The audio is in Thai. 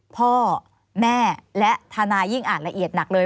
พ่อแม่และทนายยิ่งอ่านละเอียดหนักเลย